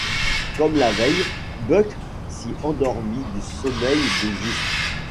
Comme la veille, Buck s’y endormit du sommeil du juste.